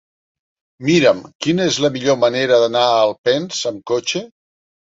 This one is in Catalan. Mira'm quina és la millor manera d'anar a Alpens amb cotxe.